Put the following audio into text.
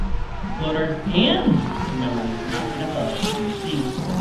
Floaters and swimmers mounted above in the sea.